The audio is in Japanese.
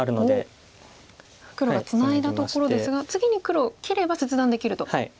黒がツナいだところですが次に黒切れば切断できると。